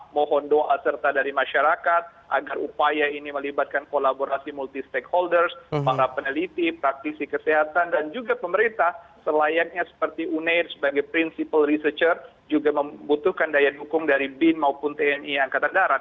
mohon doa serta dari masyarakat agar upaya ini melibatkan kolaborasi multi stakeholders para peneliti praktisi kesehatan dan juga pemerintah selayaknya seperti uner sebagai prinsipal researcher juga membutuhkan daya dukung dari bin maupun tni angkatan darat